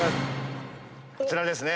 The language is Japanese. こちらですね。